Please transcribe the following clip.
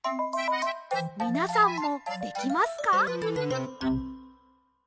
みなさんもできますか？